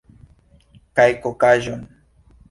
Kaj kokaĵon.